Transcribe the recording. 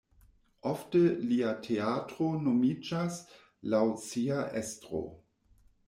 Ofte lia teatro nomiĝas laŭ sia estro.